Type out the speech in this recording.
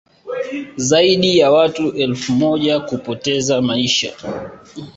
zaidi ya watu elfu moja kupoteza maisha